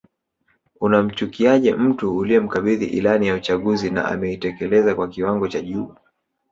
Unamchukiaje mtu uliyemkabidhi ilani ya uchaguzi na ameitekeleza kwa kiwango cha juu